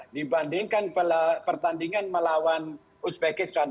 dibandingkan pertandingan melawan uzbekistan